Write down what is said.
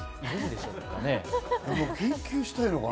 研究したいのかな？